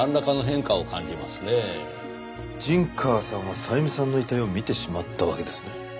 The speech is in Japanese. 陣川さんはさゆみさんの遺体を見てしまったわけですね。